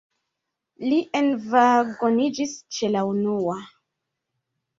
Li envagoniĝis ĉe la unua.